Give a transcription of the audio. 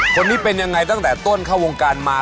คนนี้เป็นยังไงตั้งแต่ต้นเข้าวงการมา